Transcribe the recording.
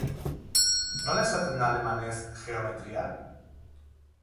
Nola esaten da alemanez "geometria"?